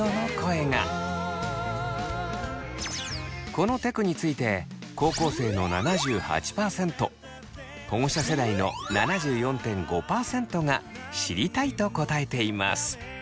このテクについて高校生の７８％保護者世代の７４．５％が「知りたい」と答えています。